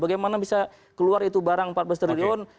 bagaimana bisa keluar itu barang empat belas triliun